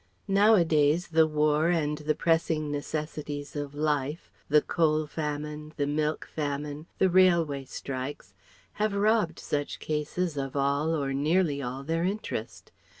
Nowadays the War and the pressing necessities of life, the coal famine, the milk famine, the railway strikes have robbed such cases of all or nearly all their interest.